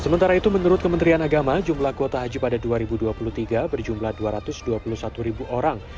sementara itu menurut kementerian agama jumlah kuota haji pada dua ribu dua puluh tiga berjumlah dua ratus dua puluh satu ribu orang